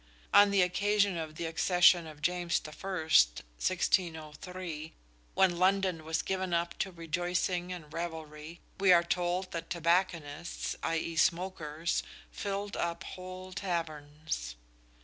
On the occasion of the accession of James I, 1603, when London was given up to rejoicing and revelry, we are told that "tobacconists [i.e. smokers] filled up whole Tavernes."